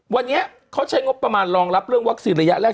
วันนี้เขาใช้งบประมาณรองรับเรื่องวัคซีนระยะแรก